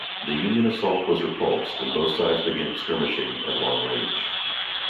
The Union assault was repulsed, and both sides began skirmishing at long range.